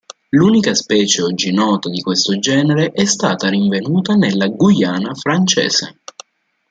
L'unica specie oggi nota di questo genere è stata rinvenuta nella Guyana francese.